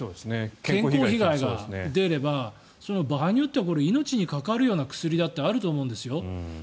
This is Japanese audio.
健康被害が出れば場合によっては命に関わるような薬だってあると思うんですよ。